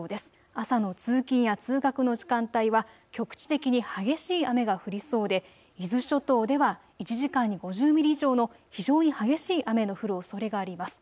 朝の通勤や通学の時間帯は局地的に激しい雨が降りそうで伊豆諸島では１時間に５０ミリ以上の非常に激しい雨の降るおそれがあります。